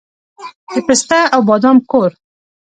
د پسته او بادام کور.